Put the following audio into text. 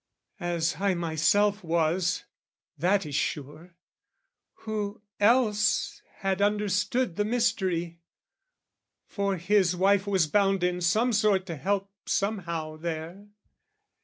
As I myself was, that is sure, who else Had understood the mystery: for his wife Was bound in some sort to help somehow there.